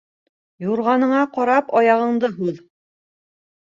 Юрғаныңа ҡарап аяғыңды һуҙ